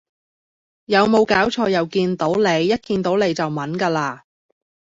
有冇搞錯又見到你一見到你就炆㗎喇